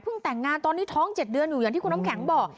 แต่งงานตอนนี้ท้อง๗เดือนอยู่อย่างที่คุณน้ำแข็งบอก